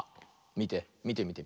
みてみてみて。